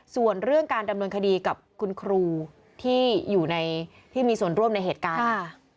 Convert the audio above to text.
ส่วนเรื่องการดำเนินคดีกับคุณครูที่อยู่ในที่มีส่วนร่วมในเหตุการณ์